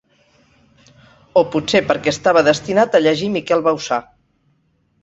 O potser perquè estava destinat a llegir Miquel Bauçà.